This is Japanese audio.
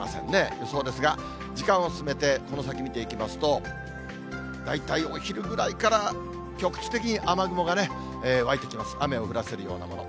予想ですが、時間を進めて、この先見ていきますと、大体お昼ぐらいから、局地的に雨雲が湧いてきます、雨を降らせるようなもの。